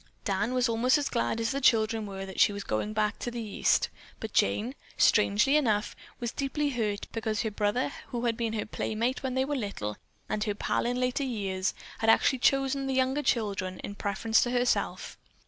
Dan was almost as glad as were the children that she was to go back to the East, but Jane, strangely enough, was deeply hurt because her brother, who had been her playmate when they were little, and her pal in later years, had actually chosen the younger children in preference to herself.